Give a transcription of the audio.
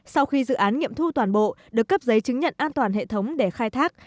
sau khi dự án nghiệm thu toàn bộ được cấp giấy chứng nhận an toàn hệ thống để khai thác